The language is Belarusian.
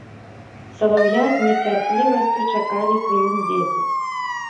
Салаўя з нецярплівасцю чакалі хвілін дзесяць.